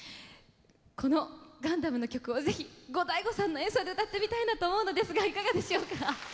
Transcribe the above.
この「ガンダム」の曲を是非ゴダイゴさんの演奏で歌ってみたいなと思うのですがいかがでしょうか？